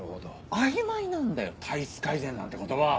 曖昧なんだよ体質改善なんて言葉は。